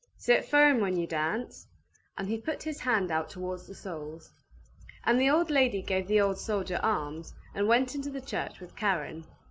"Sit firm when you dance"; and he put his hand out towards the soles. And the old lady gave the old soldier alms, and went into the church with Karen.